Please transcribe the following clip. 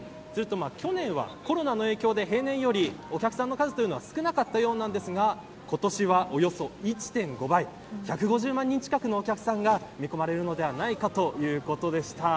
去年は、コロナの影響で平年よりお客さんの数が少なかったようですが今年はおよそ１．５倍１５０万人近くのお客さんが見込まれるのではないかということでした。